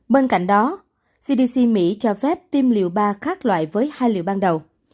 bên cạnh đó cdc mỹ cho phép tiêm liều ba khác loại với hai liệu ban đầu